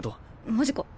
マジか。